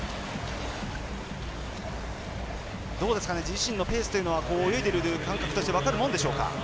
自身のペースというのは泳いでいる感覚として分かるもんでしょうか。